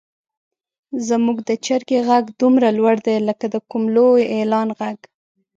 زموږ د چرګې غږ دومره لوړ دی لکه د کوم لوی اعلان غږ.